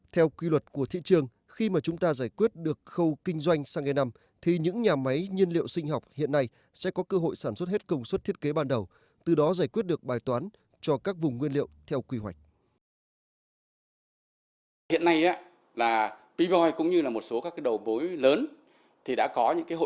theo quy luật của thị trường khi mà chúng ta giải quyết được khâu kinh doanh xăng e năm thì những nhà máy nhiên liệu sinh học hiện nay sẽ có cơ hội sản xuất hết công suất thiết kế ban đầu từ đó giải quyết được bài toán cho các vùng nguyên liệu theo quy hoạch